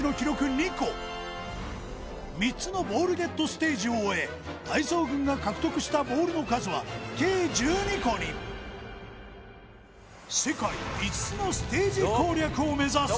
２個３つのボールゲットステージを終え体操軍が獲得したボールの数は計１２個に世界５つのステージ攻略を目指せ！